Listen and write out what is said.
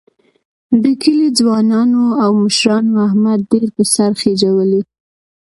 د کلي ځوانانو او مشرانو احمد ډېر په سر خېجولی